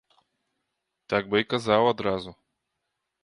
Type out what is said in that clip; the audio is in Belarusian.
Так бы і казаў адразу.